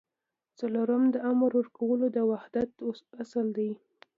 څلورم د امر ورکولو د وحدت اصل دی.